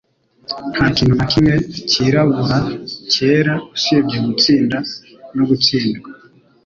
Nta kintu na kimwe cyirabura-cyera, usibye gutsinda no gutsindwa,